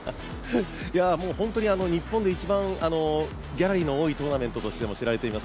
本当に日本で一番ギャラリーが多いトーナメントとして知られています